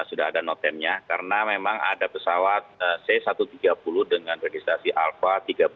sudah ada notemnya karena memang ada pesawat c satu ratus tiga puluh dengan registrasi alpha seribu tiga ratus delapan